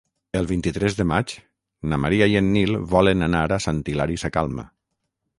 El vint-i-tres de maig na Maria i en Nil volen anar a Sant Hilari Sacalm.